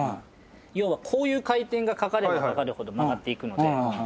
要はこういう回転がかかればかかるほど曲がって行くので。